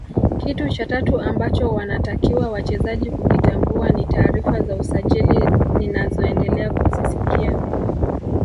Kitu cha tatu ambacho wanatakiwa wachezaji kukitambua ni taarifa za usajili ninazoendelea kuzisikia